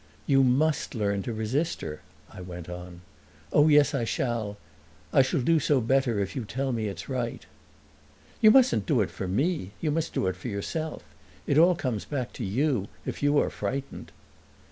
"You must learn to resist her," I went on. "Oh, yes, I shall; I shall do so better if you tell me it's right." "You mustn't do it for me; you must do it for yourself. It all comes back to you, if you are frightened."